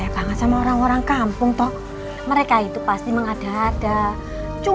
fanas fanas fanas apa yang terjadi sama aku